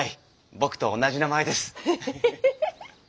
僕と同じ名前です。え？